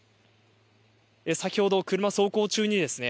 先ほど車、走行中にですね